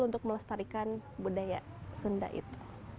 untuk melestarikan budaya sunda itu